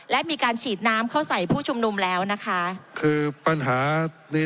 และมีการฉีดน้ำเข้าใส่ผู้ชุมนุมแล้วนะคะคือปัญหาใน